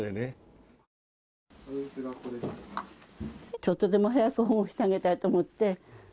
ちょっとでも早く保護してあげたいと思って。